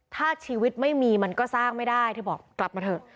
ถ้าชีวิตไม่มีมันก็สร้างไม่ได้เธอบอกกลับมาเถอะ